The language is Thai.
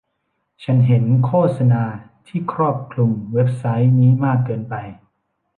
ฉันเห็นโฆษณาที่ครอบคลุมเว็บไซต์นี้มากเกินไป